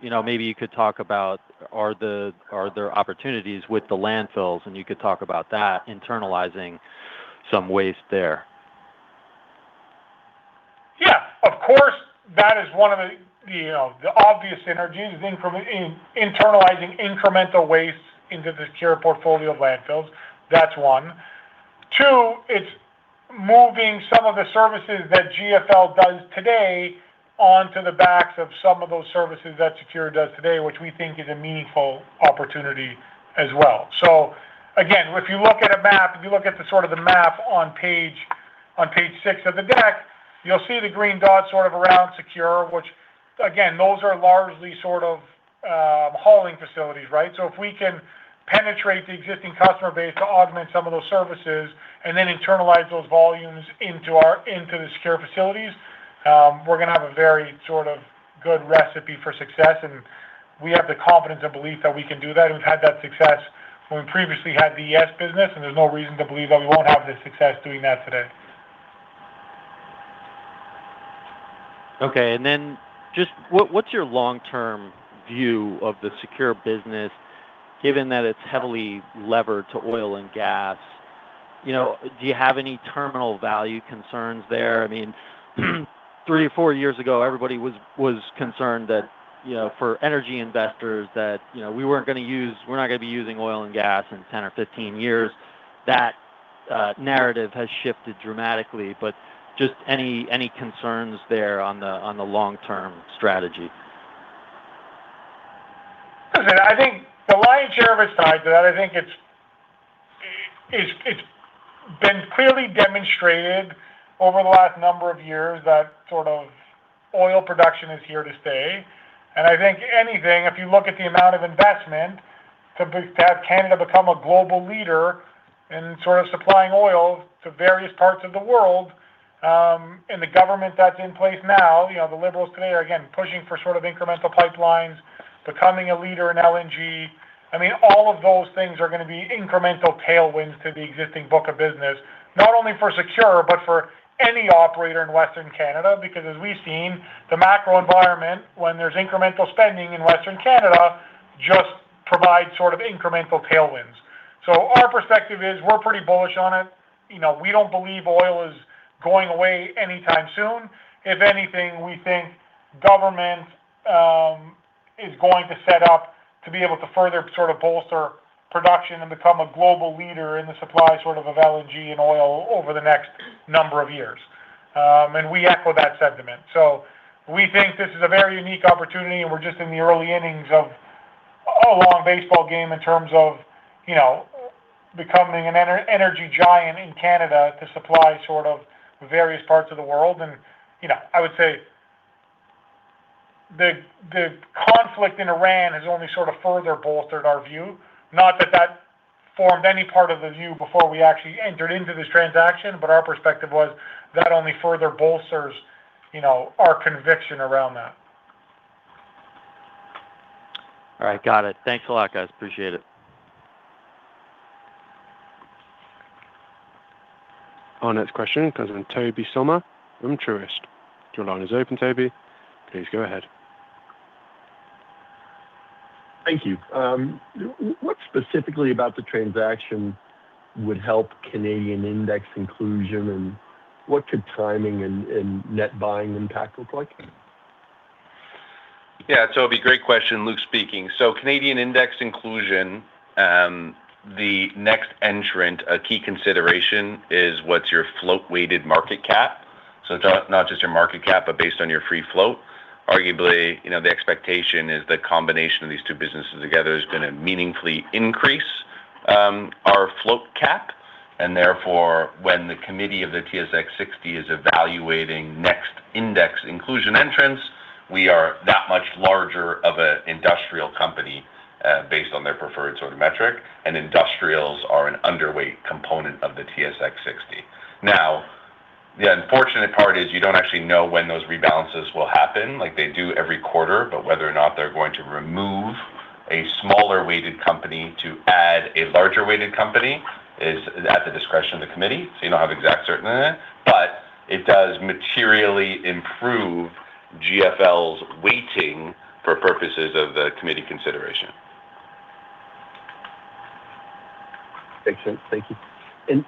Maybe you could talk about are there opportunities with the landfills and you could talk about that, internalizing some waste there. Yeah, of course, that is one of the obvious synergies, internalizing incremental waste into the SECURE portfolio of landfills. That's one. Two, it's moving some of the services that GFL does today onto the backs of some of those services that SECURE does today, which we think is a meaningful opportunity as well. Again, if you look at the sort of the map on page six of the deck, you'll see the green dots sort of around SECURE, which again, those are largely sort of hauling facilities, right? If we can penetrate the existing customer base to augment some of those services and then internalize those volumes into the SECURE facilities, we're going to have a very sort of good recipe for success and we have the confidence and belief that we can do that. We've had that success when we previously had the ES business, and there's no reason to believe that we won't have the success doing that today. Okay, just what's your long-term view of the SECURE business, given that it's heavily levered to oil and gas? Do you have any terminal value concerns there? Three or four years ago, everybody was concerned that for energy investors, we're not going to be using oil and gas in 10 or 15 years. That narrative has shifted dramatically. Just any concerns there on the long-term strategy? Listen, the lion's share of it tied to that, I think it's been clearly demonstrated over the last number of years that sort of oil production is here to stay. I think anything, if you look at the amount of investment to have Canada become a global leader in sort of supplying oil to various parts of the world and the government that's in place now, the Liberals today are again pushing for sort of incremental pipelines, becoming a leader in LNG. All of those things are going to be incremental tailwinds to the existing book of business, not only for SECURE, but for any operator in Western Canada. Because as we've seen, the macro environment, when there's incremental spending in Western Canada, just provide sort of incremental tailwinds. Our perspective is we're pretty bullish on it. We don't believe oil is going away anytime soon. If anything, we think government is going to set up to be able to further sort of bolster production and become a global leader in the supply sort of LNG and oil over the next number of years, and we echo that sentiment. We think this is a very unique opportunity, and we're just in the early innings of a long baseball game in terms of becoming an energy giant in Canada to supply sort of various parts of the world. I would say the conflict in Iran has only sort of further bolstered our view, not that that formed any part of the view before we actually entered into this transaction, but our perspective was that only further bolsters our conviction around that. All right, got it. Thanks a lot, guys. Appreciate it. Our next question comes from Tobey Sommer from Truist. Your line is open, Tobey. Please go ahead. Thank you. What specifically about the transaction would help Canadian index inclusion, and what could timing and net buying impact look like? Yeah, Tobey, great question. Luke speaking. Canadian index inclusion, the next entrant, a key consideration is what's your float-weighted market cap? It's not just your market cap, but based on your free float. Arguably, the expectation is the combination of these two businesses together is going to meaningfully increase our float cap, and therefore, when the Committee of the TSX 60 is evaluating next index inclusion entrants, we are that much larger of an industrial company based on their preferred sort of metric, and industrials are an underweight component of the TSX 60. Now, the unfortunate part is you don't actually know when those rebalances will happen, like they do every quarter, but whether or not they're going to remove a smaller-weighted company to add a larger-weighted company is at the discretion of the Committee, so you don't have exact certainty. It does materially improve GFL's weighting for purposes of the committee consideration. Makes sense. Thank you.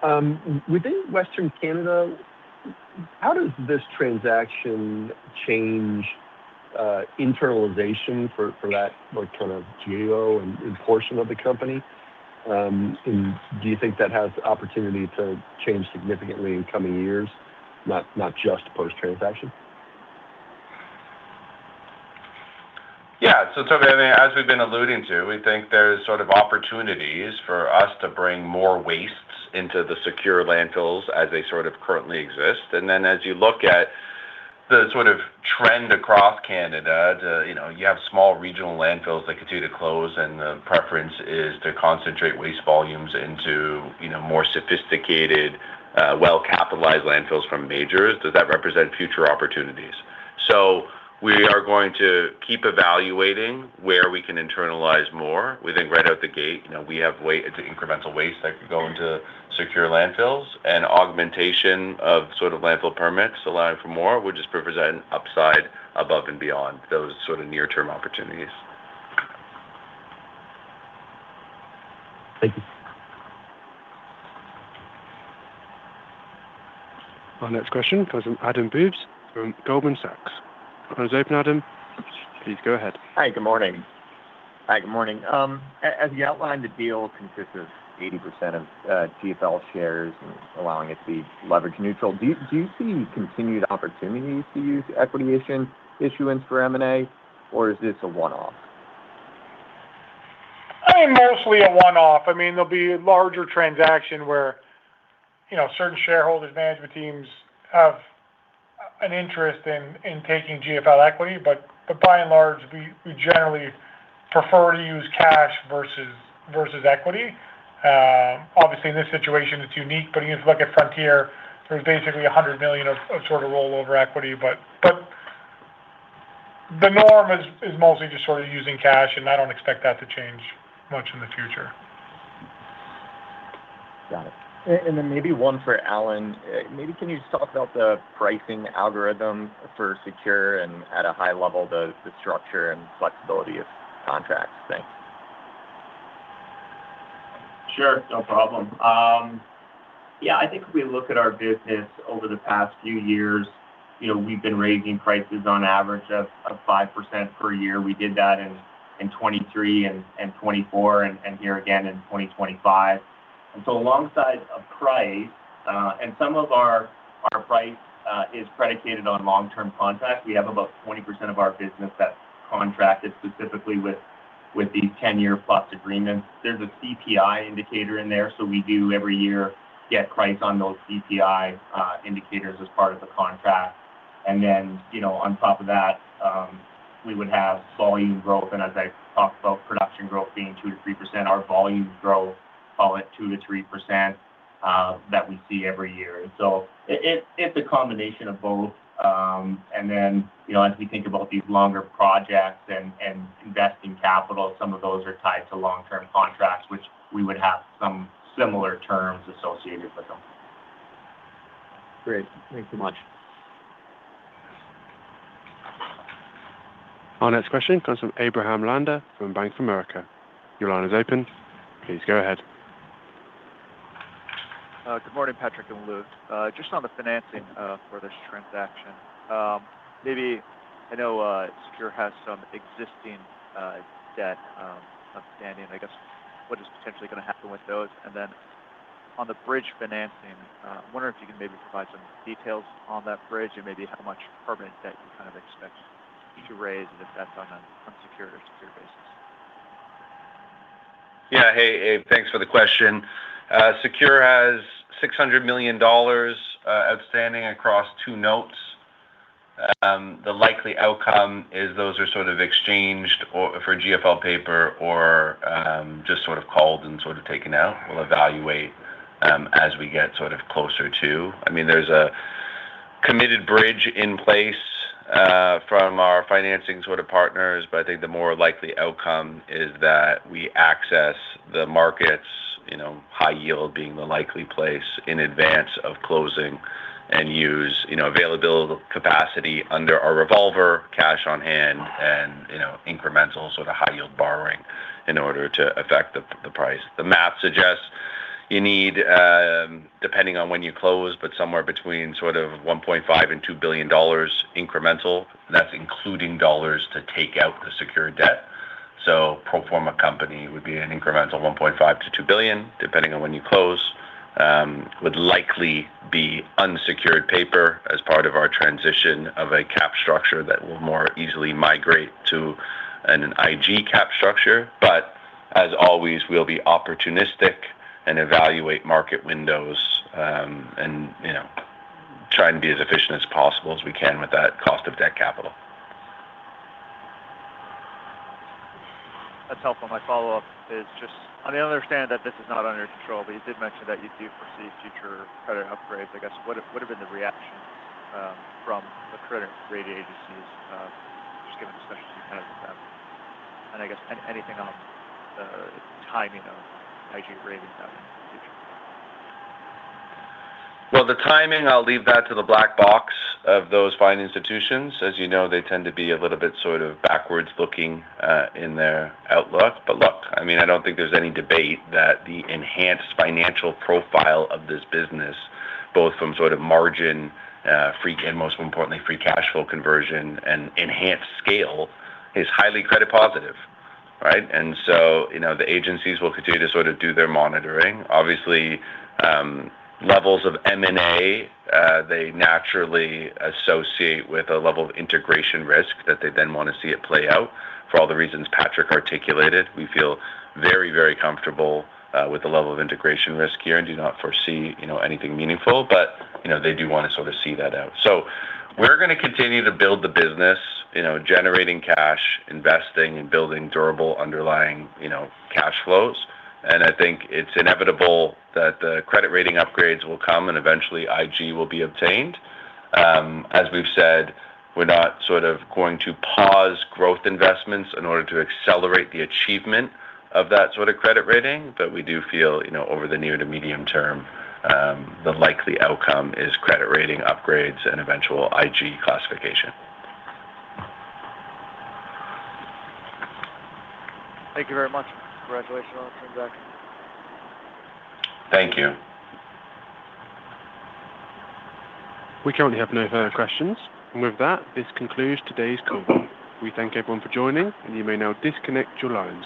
Within Western Canada, how does this transaction change internalization for that kind of geo and portion of the company? Do you think that has the opportunity to change significantly in coming years, not just post-transaction? Yeah. Tobey, I mean, as we've been alluding to, we think there's sort of opportunities for us to bring more wastes into the SECURE landfills as they sort of currently exist. As you look at the sort of trend across Canada, you have small regional landfills that continue to close, and the preference is to concentrate waste volumes into more sophisticated, well-capitalized landfills from majors. Does that represent future opportunities? We are going to keep evaluating where we can internalize more. We think right out the gate, we have waste. It's incremental waste that could go into SECURE landfills, and augmentation of sort of landfill permits allowing for more, would just represent an upside above and beyond those sort of near-term opportunities. Thank you. Our next question comes from Adam Bubes from Goldman Sachs. Line's open, Adam. Please go ahead. Hi, good morning. As you outlined, the deal consists of 80% of GFL shares and allowing it to be leverage neutral. Do you see continued opportunities to use equity issuance for M&A, or is this a one-off? I mean, mostly a one-off. I mean, there'll be a larger transaction where certain shareholders, management teams have an interest in taking GFL equity. By and large, we generally prefer to use cash versus equity. Obviously, in this situation, it's unique, but if you look at Frontier, there's basically 100 million of sort of rollover equity. The norm is mostly just sort of using cash, and I don't expect that to change much in the future. Got it. Maybe one for Allen. Maybe can you just talk about the pricing algorithm for SECURE and at a high level, the structure and flexibility of contracts? Thanks. Sure, no problem. Yeah, I think if we look at our business over the past few years, we've been raising prices on average of 5% per year. We did that in 2023 and 2024 and here again in 2025. Alongside of price, some of our price is predicated on long-term contracts. We have about 20% of our business that's contracted specifically with these 10-year+ agreements. There's a CPI indicator in there, so we do every year get price on those CPI indicators as part of the contract. On top of that, we would have volume growth, and as I talked about production growth being 2%-3%, our volume growth, call it 2%-3% that we see every year. It's a combination of both, and then as we think about these longer projects and investing capital, some of those are tied to long-term contracts, which we would have some similar terms associated with them. Great. Thank you much. Our next question comes from Michael Feniger from Bank of America. Your line is open. Please go ahead. Good morning, Patrick and Luke. Just on the financing for this transaction, I know SECURE has some existing debt outstanding. I guess what is potentially going to happen with those? On the bridge financing, I wonder if you can maybe provide some details on that bridge and maybe how much permanent debt you kind of expect to raise, and if that's on a secured or unsecured basis. Yeah. Hey, Abe, thanks for the question. SECURE has 600 million dollars outstanding across two notes. The likely outcome is those are sort of exchanged for GFL paper or just sort of called and taken out. We'll evaluate as we get closer to. I mean, there's a committed bridge in place from our financing sort of partners, but I think the more likely outcome is that we access the markets, high yield being the likely place in advance of closing and use availability capacity under our revolver, cash on hand and incremental sort of high yield borrowing in order to affect the price. The math suggests you need, depending on when you close, but somewhere between sort of 1.5 billion and 2 billion dollars incremental, and that's including dollars to take out the SECURE debt. The pro forma company would be an incremental 1.5 billion-2 billion, depending on when you close. It would likely be unsecured paper as part of our transition of a cap structure that will more easily migrate to an IG cap structure. As always, we'll be opportunistic and evaluate market windows, and try and be as efficient as possible as we can with that cost of debt capital. That's helpful. My follow-up is just, I understand that this is not under your control, but you did mention that you do foresee future credit upgrades. I guess, what has been the reaction from the credit rating agencies, just given the specialty chemicals debt? I guess anything on the timing of IG ratings in the future? Well, the timing, I'll leave that to the black box of those fine institutions. As you know, they tend to be a little bit sort of backwards-looking in their outlook. Look, I don't think there's any debate that the enhanced financial profile of this business, both from sort of margin and most importantly, Free Cash Flow conversion and enhanced scale is highly credit positive, right? The agencies will continue to sort of do their monitoring. Obviously, levels of M&A they naturally associate with a level of integration risk that they then want to see it play out. For all the reasons Patrick articulated, we feel very, very comfortable with the level of integration risk here and do not foresee anything meaningful. They do want to sort of see that out. We're going to continue to build the business, generating cash, investing, and building durable underlying cash flows. I think it's inevitable that the credit rating upgrades will come and eventually IG will be obtained. As we've said, we're not sort of going to pause growth investments in order to accelerate the achievement of that sort of credit rating. We do feel, over the near to medium term, the likely outcome is credit rating upgrades and eventual IG classification. Thank you very much. Congratulations on the transaction. Thank you. We currently have no further questions. With that, this concludes today's call. We thank everyone for joining, and you may now disconnect your lines.